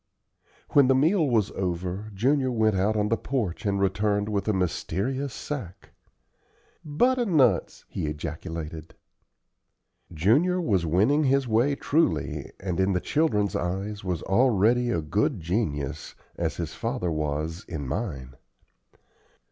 When the meal was over, Junior went out on the porch and returned with a mysterious sack. "Butternuts!" he ejaculated. Junior was winning his way truly, and in the children's eyes was already a good genius, as his father was in mine.